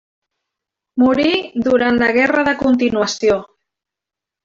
Morí durant la Guerra de Continuació.